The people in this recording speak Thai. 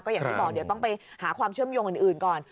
อย่างที่บอกเดี๋ยวต้องไปหาความเชื่อมโยงอื่นก่อน